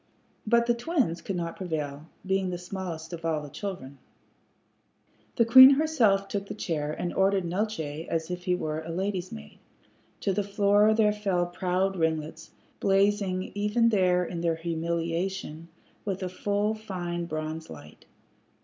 But the twins could not prevail, being the smallest of all the children. The queen herself took the chair, and ordered Neeltje as if he were a lady's maid. To the floor there fell proud ringlets, blazing even there in their humiliation with a full fine bronze light.